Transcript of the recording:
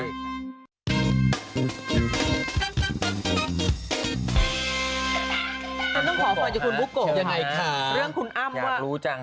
ต้องขอฝ่าจากคุณพุกกก่อนค่ะนะเรื่องคุณอ้ำว่าอยากรู้จัง